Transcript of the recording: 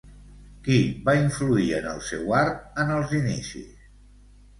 Qui va influir en el seu art en els inicis?